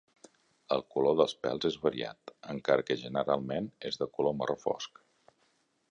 El color dels pèls és variat, encara que generalment és de color marró fosc.